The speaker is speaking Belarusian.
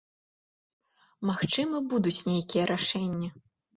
Магчыма, будуць нейкія рашэнні.